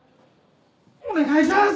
お願いします！